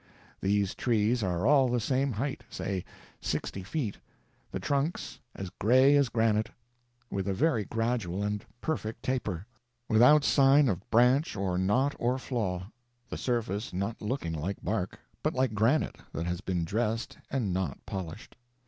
These trees are all the same height, say sixty feet; the trunks as gray as granite, with a very gradual and perfect taper; without sign of branch or knot or flaw; the surface not looking like bark, but like granite that has been dressed and not polished.